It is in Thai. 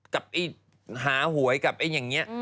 กับไอ้หาหวยกับไอ้อย่างเงี้ย